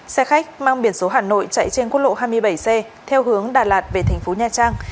xe khách mang biển số hà nội chạy trên quốc lộ hai mươi bảy c theo hướng đà lạt về thành phố nha trang